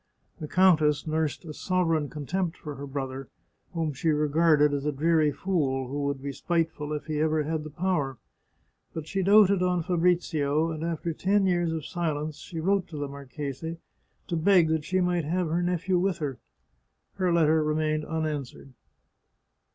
The countess nursed a sovereign contempt for her brother, whom she regarded as a dreary fool, who would be spite ful if he ever had the power. But she doted on Fabrizio, and after ten years of silence she wrote to the marchese, to beg that she might have her nephew with her. Her letter remained unanswered.